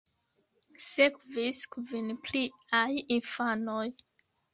Sekvis kvin pliaj infanoj.